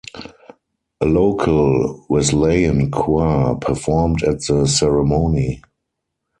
A local Wesleyan choir performed at the ceremony.